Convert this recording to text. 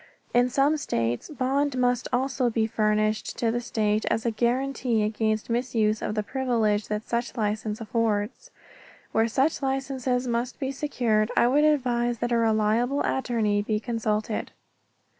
In some states bond must also be furnished to the state as a guaranty against misuse of the privilege that such license affords. Where such licenses must be secured I would advise that a reliable attorney be consulted.